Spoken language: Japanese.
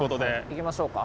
行きましょうか。